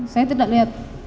saya tidak lihat